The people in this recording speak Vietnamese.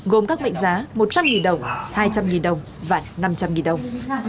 gồm các mệnh giá một trăm linh đồng hai trăm linh đồng và năm trăm linh đồng